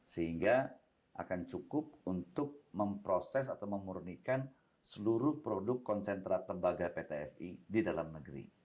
sehingga akan cukup untuk memproses atau memurnikan seluruh produk konsentrat tembaga pt fi di dalam negeri